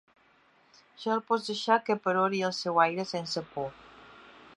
Ja el pots deixar que perori al seu aire, sense por.